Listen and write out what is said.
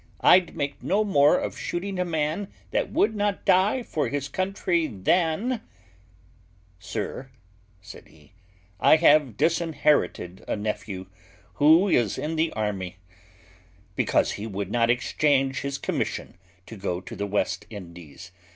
I'd make no more of shooting a man that would not die for his country, than "Sir," said he, "I have disinherited a nephew, who is in the army, because he would not exchange his commission and go to the West Indies.